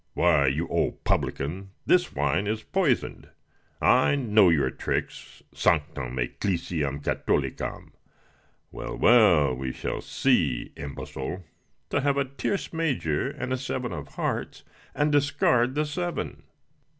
Why, you old publican, this wine is poisoned I know your tricks! Sanctam ecclesiam Catholicam Well, well, we shall see. Imbecile! to have a tierce major and a seven of hearts, and discard the seven!